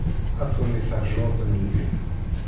Ad tɣenni teḥjurt n llim.